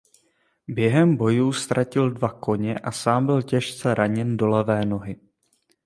Během bojů ztratil dva koně a sám byl těžce raněn do levé nohy.